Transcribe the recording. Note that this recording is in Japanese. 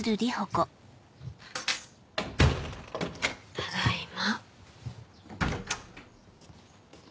ただいま。